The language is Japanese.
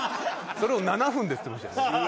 それを７分でって言ってましたよ。